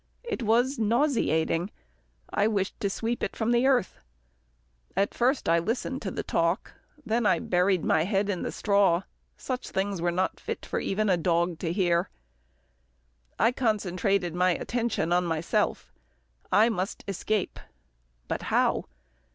It was nauseating. I wished to sweep it from the earth. At first I listened to the talk, then I buried my head in the straw. Such things were not fit for even a dog to hear. I concentrated my attention on myself. I must escape but how?